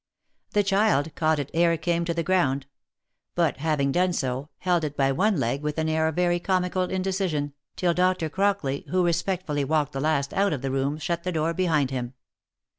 The child " caught it ere it came to the ground ;" but having done so, held it by one leg with an air of very comical 'indecision, till Dr. Crockley, who respectfully walked the last out of the room, shut the door behind him.